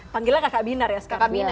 panggilnya kakak binar ya sekarang